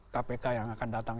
kpk yang akan datang